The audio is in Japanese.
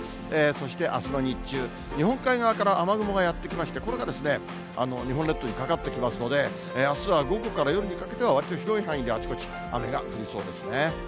そしてあすの日中、日本海側から雨雲がやって来まして、これが日本列島にかかってきますので、あすは午後から夜にかけては、わりと広い範囲で、あちこち雨が降りそうですね。